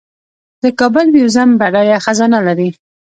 د کابل میوزیم بډایه خزانه لري